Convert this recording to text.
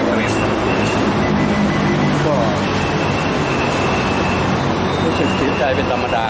เพราะว่ารู้สึกสิ้นใจเป็นธรรมดา